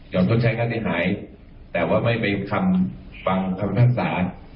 หยอดต้นใช้ค่าได้หายแต่ว่าไม่ไปฟังคำพิพากษา